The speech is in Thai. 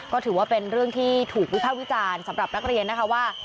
ก็ถือว่าเป็นเรื่องที่ถูกวิภาควิจารณ์สำหรับนักเรียนนะคะว่า